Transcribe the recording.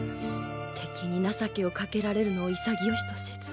敵に情けをかけられるのを潔しとせず。